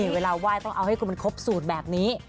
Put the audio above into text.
เวลาไหว้ต้องเอาให้คุณมันครบสูตรแบบนี้